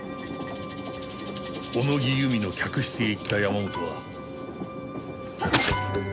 小野木由美の客室へ行った山本は。